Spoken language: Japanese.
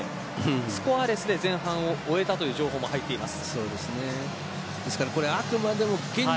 スコアレスで前半を終えたという情報も入っています。